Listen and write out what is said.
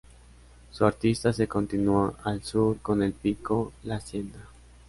Su arista se continúa al sur con el Pico La Hacienda.